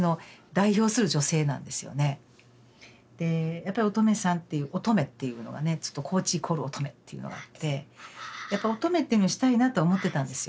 やっぱりおとめさんっていうおとめっていうのはね高知イコールおとめっていうのがあってやっぱ「おとめ」っていうのにしたいなとは思ってたんですよ。